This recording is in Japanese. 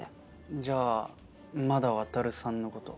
じゃあまだ渉さんの事？